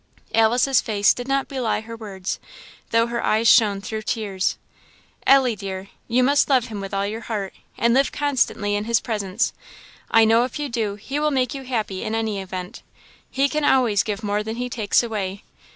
Alice's face did not belie her words, though her eyes shone through tears. "Ellie, dear you must love Him with all your heart, and live constantly in his presence. I know if you do, he will make you happy, in any event. He can always give more than he takes away.